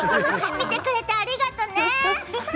見てくれて、ありがとうね。